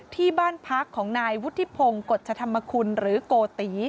ที่บ้านพักของนายวุฒิพงศ์กฎชธรรมคุณหรือโกติ